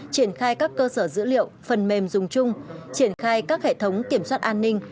triển khai các cơ sở dữ liệu phần mềm dùng chung triển khai các hệ thống kiểm soát an ninh